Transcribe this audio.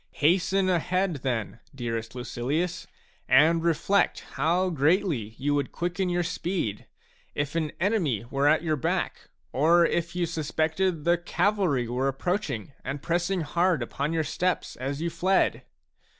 Hasten ahead, then, dearest Lucilius, and reflect how greatly you would quicken your speed if an enemy were at your back, or if you suspected the cavalry were approaching and pressing hard upon your steps as you fled.